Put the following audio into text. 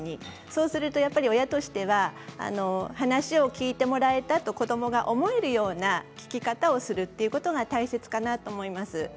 そうすると親としては話を聞いてもらえたと子どもが思えるような聞き方をするということが大切かなと思います。